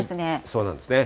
そうなんですね。